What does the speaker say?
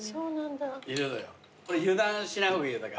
油断しない方がいいよ。